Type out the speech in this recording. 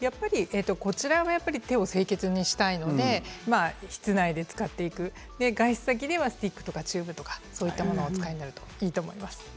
こちらも手を清潔にしたいので室内で使っていく外出先ではチューブとかスティックをお使いになるといいと思います。